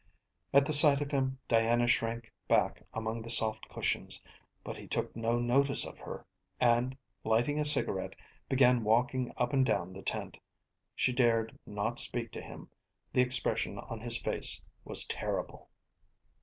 At the sight of him Diana shrank back among the soft cushions, but he took no notice of her, and, lighting a cigarette, began walking up and down the tent. She dared not speak to him, the expression on his face was terrible.